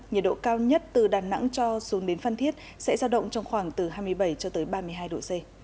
nhiệt độ cao nhất từ đà nẵng cho xuống đến phan thiết sẽ ra động trong khoảng từ hai mươi bảy cho tới ba mươi hai độ c